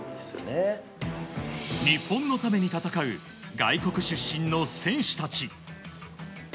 日本のために戦う外国出身の選手たち。